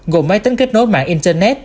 gồm máy tính kết nối mạng internet